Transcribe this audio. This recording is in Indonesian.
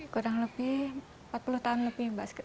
kurang lebih empat puluh tahun lebih mbak